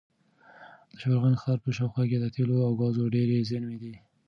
د شبرغان ښار په شاوخوا کې د تېلو او ګازو ډېرې زېرمې دي.